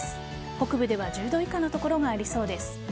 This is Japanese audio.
北部では１０度以下の所がありそうです。